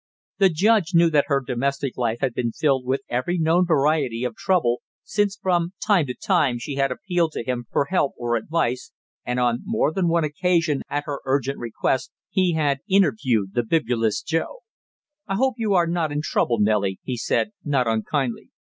The judge knew that her domestic life had been filled with every known variety of trouble, since from time to time she had appealed to him for help or advice, and on more than one occasion at her urgent request he had interviewed the bibulous Joe. "I hope you are not in trouble, Nellie," he said, not unkindly.